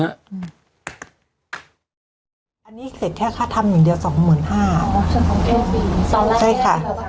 อันนี้เสร็จแค่คาทำอย่างเดียว๒๕๐๐๐บาท